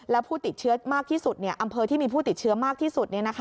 และผู้ติดเชื้อมากที่สุดอำเภอที่มีผู้ติดเชื้อมากที่สุด